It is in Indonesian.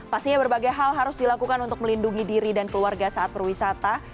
pastinya berbagai hal harus dilakukan untuk melindungi diri dan keluarga saat berwisata